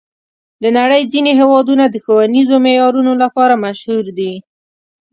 د نړۍ ځینې هېوادونه د ښوونیزو معیارونو لپاره مشهور دي.